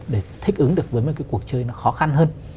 để thích ứng được với mấy cái cuộc chơi khó khăn hơn